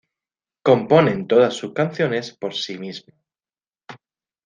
Componen todas sus canciones por sí mismo.